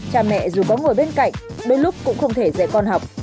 cha mẹ dù có ngồi bên cạnh đôi lúc cũng không thể dạy con học